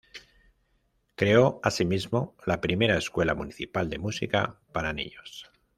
Creó asimismo la primera Escuela Municipal de Música para Niños.